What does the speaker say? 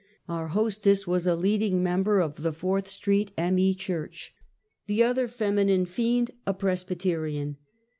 Our hostess was a leading member of the Fourth St. M. E. Church, the other feminine fiend a Presbyterian.